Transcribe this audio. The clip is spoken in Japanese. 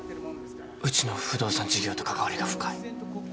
うちの不動産事業と関わりが深い。